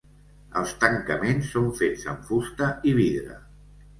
Els tancaments són fets amb fusta i vidre.